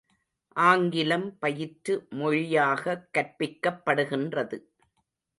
ஆங்கிலம், பயிற்று மொழியாகக் கற்பிக்கப்படுகின்றது.